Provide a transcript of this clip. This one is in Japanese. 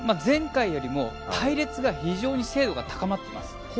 前回よりも隊列が、非常に精度が高まっています。